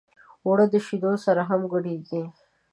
اوړه د شیدو سره هم ګډېږي